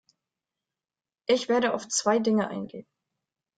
Ich werde auf zwei Dinge eingehen.